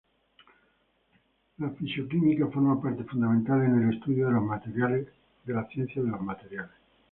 La fisicoquímica forma parte fundamental en el estudio de la ciencia de materiales.